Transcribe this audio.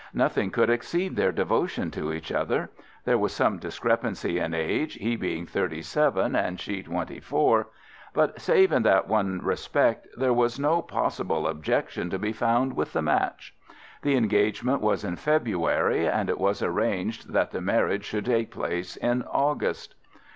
Nothing could exceed their devotion to each other. There was some discrepancy in age, he being thirty seven, and she twenty four; but, save in that one respect, there was no possible objection to be found with the match. The engagement was in February, and it was arranged that the marriage should take place in August.